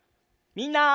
みんな！